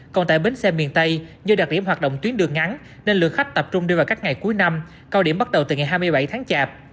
còn tại bến xe miền tây do đặc điểm hoạt động tuyến đường ngắn nên lượng khách tập trung đưa vào các ngày cuối năm cao điểm bắt đầu từ ngày hai mươi bảy tháng chạp